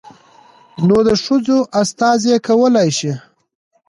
نود ښځو استازي کولى شي.